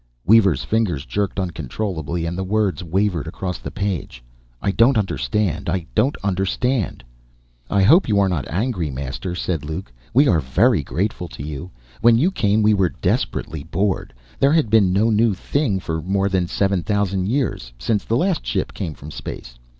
Weaver's fingers jerked uncontrollably, and the words wavered across the page. "I don't understand. I don't understand." "I hope You are not angry. Master," said Luke. "We are very grateful to You. When You came, we were desperately bored. There had been no new thing for more than seven thousand years, since the last ship came from space.